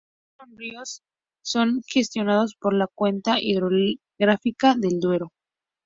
Todos estos ríos son gestionados por la Cuenca Hidrográfica del Duero.